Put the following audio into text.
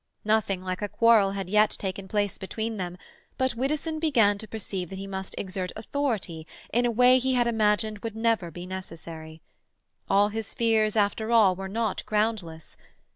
Nothing like a quarrel had yet taken place between them, but Widdowson began to perceive that he must exert authority in a way he had imagined would never be necessary. All his fears, after all, were not groundless.